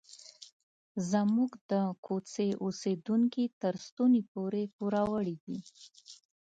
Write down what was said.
زموږ د کوڅې اوسیدونکي تر ستوني پورې پوروړي دي.